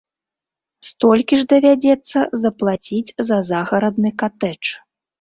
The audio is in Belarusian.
Столькі ж давядзецца заплаціць за загарадны катэдж.